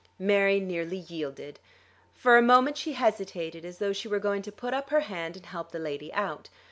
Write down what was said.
Mary nearly yielded. For a moment she hesitated as though she were going to put up her hand and help the lady out.